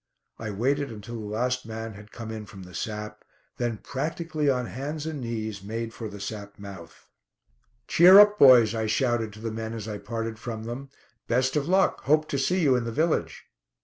I waited until the last man had come in from the sap, then, practically on hands and knees, made for the sap mouth. "Cheer up, boys," I shouted to the men as I parted from them, "best of luck; hope to see you in the village."